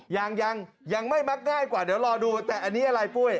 ยังยังไม่มักง่ายกว่าเดี๋ยวรอดูแต่อันนี้อะไรปุ้ย